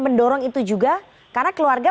mendorong itu juga karena keluarga